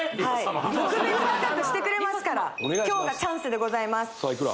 特別価格してくれますから今日がチャンスでございますさあいくら？